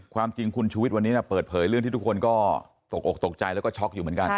ความจริงคุณชุวิตวันนี้เปิดเผยเรื่องที่ทุกคนก็ตกอกตกใจแล้วก็ช็อกอยู่เหมือนกัน